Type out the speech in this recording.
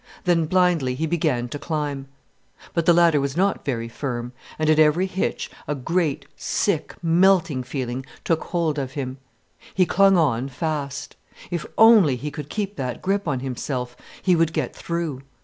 Then blindly he began to climb. But the ladder was not very firm, and at every hitch a great, sick, melting feeling took hold of him. He clung on fast. If only he could keep that grip on himself, he would get through.